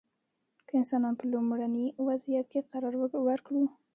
که انسانان په لومړني وضعیت کې قرار ورکړو.